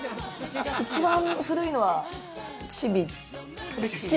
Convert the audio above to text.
一番古いのはチビ。